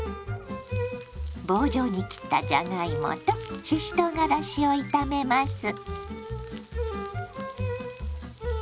棒状に切ったじゃがいもとししとうがらしを炒めます。